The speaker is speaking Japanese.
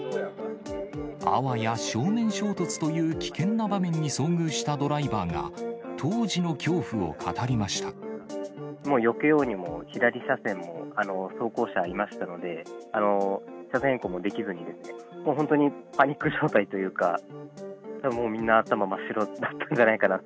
あわや正面衝突という危険な場面に遭遇したドライバーが、当時のもうよけようにも、左車線も走行車がいましたので、車線変更もできずに、もう本当にパニック状態というか、みんな、頭真っ白だったんじゃないかなと。